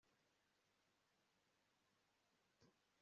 Bobo ntiyoga kuko hari hakonje cyane